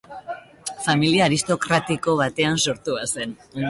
Familia aristokratiko batean sortua zen.